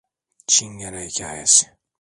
Çingene hikâyesi.